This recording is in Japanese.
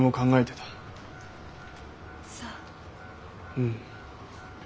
うん。